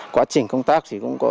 quá trình công tác thì cũng có